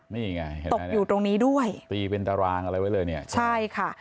นี่ไงตกอยู่ตรงนี้ด้วยตีเป็นตารางอะไรไว้เลยเนี่ยใช่ค่ะ